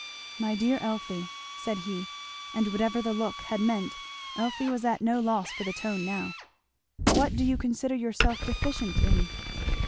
"My dear Elfie," said he, and whatever the look had meant Elfie was at no loss for the tone now, "what do you consider yourself deficient in?"